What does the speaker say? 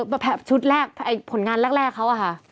แบบชุดแรกผลงานแรกเขาอะค่ะ